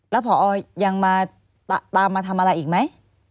แล้วพอยังมาตามมาทำอะไรอีกไหม